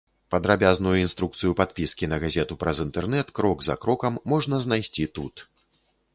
Падрабязную інструкцыю падпіскі на газету праз інтэрнэт крок за крокам можна знайсці тут.